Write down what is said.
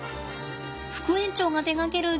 副園長が手がける擬